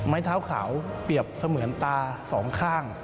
ไม้เท้าขาวเปรียบเสมือนตาสองข้าง